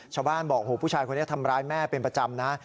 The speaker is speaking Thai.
ชาวบ้านบอกผู้ชายคนนี้ทำร้ายแม่เป็นประจำนะ